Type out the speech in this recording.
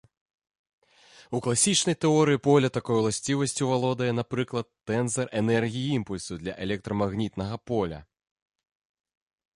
У класічнай тэорыі поля такой уласцівасцю валодае, напрыклад, тэнзар энергіі-імпульсу для электрамагнітнага поля.